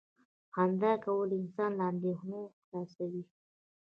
• خندا کول انسان له اندېښنو خلاصوي.